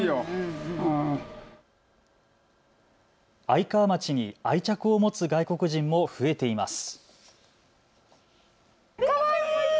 愛川町に愛着を持つ外国人も増えています。